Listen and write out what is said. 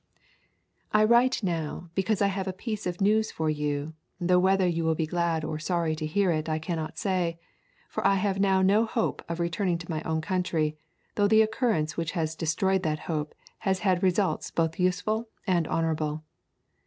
"I write now because I have a piece of news for you, though whether you will be glad or sorry to hear it I cannot say; for I have now no hope of returning to my own country, though the occurrence which has destroyed that hope has had results both useful and honourable.